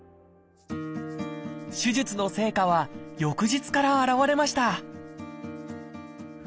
手術の成果は翌日から表れました